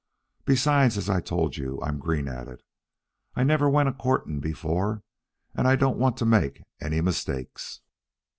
"Besides, as I told you, I'm green at it. I never went a courting before, and I don't want to make any mistakes."